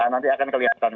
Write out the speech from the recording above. nanti akan kelihatan